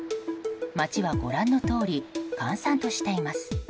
街はご覧のとおり閑散としています。